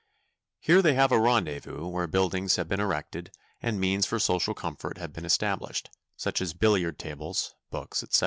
Here they have a rendezvous where buildings have been erected and means for social comfort have been established, such as billiard tables, books, etc.